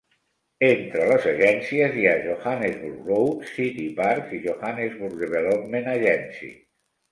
Entre les agències hi ha Johannesburg Roads, City Parks i Johannesburg Development Agency.